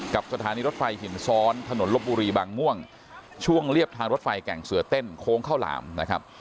สถานีรถไฟหินซ้อนถนนลบบุรีบางม่วงช่วงเรียบทางรถไฟแก่งเสือเต้นโค้งข้าวหลามนะครับ